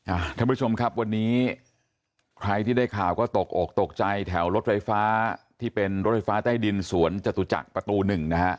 ท่านผู้ชมครับวันนี้ใครที่ได้ข่าวก็ตกอกตกใจแถวรถไฟฟ้าที่เป็นรถไฟฟ้าใต้ดินสวนจตุจักรประตูหนึ่งนะฮะ